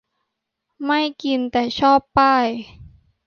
ไม่กิน แต่ชอบป้าย